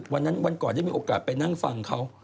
ว่างั้นวันก่อนจะมีโอกาสกับไปนั่งฟังเขา